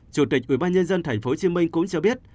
chủ tịch ubnd tp hcm cũng cho biết